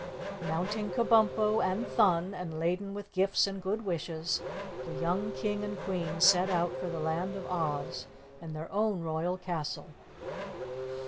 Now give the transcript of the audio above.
Mounting Kabumpo and Thun, and laden with gifts and good wishes, the young King and Queen set out for the Land of Oz and their own royal castle.